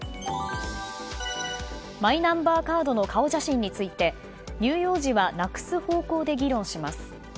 マイナンバーカードの顔写真について乳幼児はなくす方向で議論します。